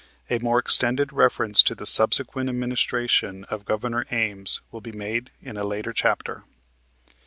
A more extended reference to the subsequent administration of Governor Ames will be made in a later chapter.